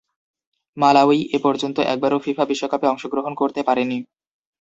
Malawi এপর্যন্ত একবারও FIFA বিশ্বকাপে অংশগ্রহণ করতে পারেনি।